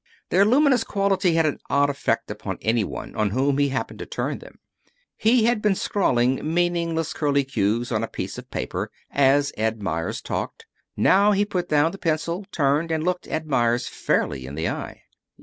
Their luminous quality had an odd effect upon any one on whom he happened to turn them. He had been scrawling meaningless curlycues on a piece of paper as Ed Meyers talked. Now he put down the pencil, turned, and looked Ed Meyers fairly in the eye.